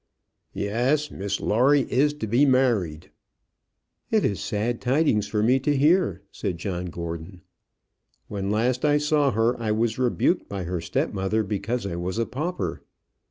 "Yes. Miss Lawrie is to be married." "It is sad tidings for me to hear," said John Gordon. "When last I saw her I was rebuked by her step mother because I was a pauper.